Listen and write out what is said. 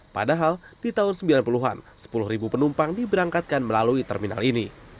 padahal di tahun sembilan puluh an sepuluh penumpang diberangkatkan melalui terminal ini